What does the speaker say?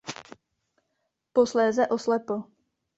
Posléze oslepl.